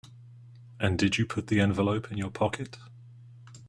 And did you put the envelope in your pocket?